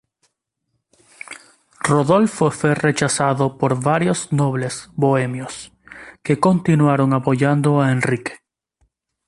Rodolfo fue rechazado por varios nobles bohemios, que continuaron apoyando a Enrique.